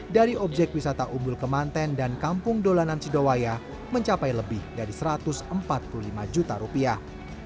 dari objek wisata umbul kemanten dan kampung dolanan sidowaya mencapai lebih dari satu ratus empat puluh lima juta rupiah